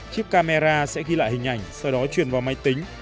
chiếc camera sẽ ghi lại hình ảnh sau đó truyền vào máy tính